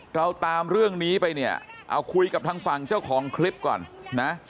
เราตามเรื่องนี้ไปเนี่ยเอาคุยกับทางฝั่งเจ้าของคลิปก่อนนะ